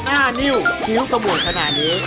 หน้านิ่วชิ้วกระหมวดขนาดนี้